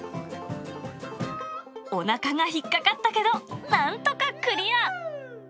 おなかが引っ掛かったけど、なんとかクリア。